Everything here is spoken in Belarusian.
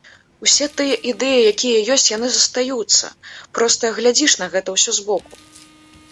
Усе тыя ідэі, якія ёсць, яны застаюцца, проста глядзіш на гэта ўсё збоку.